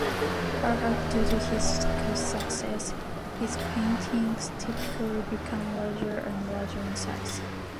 Perhaps due to his success, his paintings typically became larger and larger in size.